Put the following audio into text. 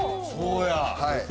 そうや！